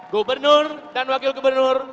gubernur dan wakil gubernur